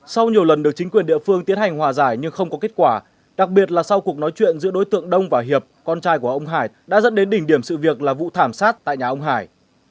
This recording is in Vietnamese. sau nhiều lần được chính quyền địa phương tiến hành hòa giải nhưng không có kết quả đặc biệt là sau cuộc nói chuyện giữa đối tượng đông và hiệp con trai của ông hải đã dẫn đến đỉnh điểm sự việc là vụ thảm sát tại nhà ông hải